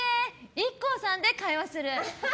ＩＫＫＯさんで会話する。